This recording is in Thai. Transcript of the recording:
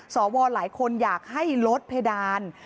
วอหลายคนอยากให้ลดเพดาน